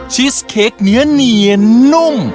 ชีสเค้กเนื้อเนียนนุ่ม